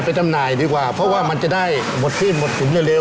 จำหน่ายดีกว่าเพราะว่ามันจะได้หมดที่หมดถุนเร็ว